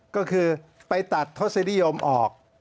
ก็คือไปตัดทศนิยมออก